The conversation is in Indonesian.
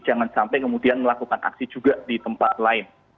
jangan sampai kemudian melakukan aksi juga di tempat lain